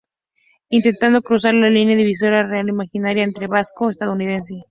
Intentaban cruzar la línea divisoria, real e imaginaria, entre vasco-estadounidenses.